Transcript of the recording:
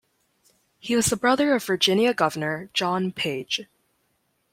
He was the brother of Virginia Governor John Page.